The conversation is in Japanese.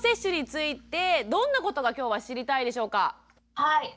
はい。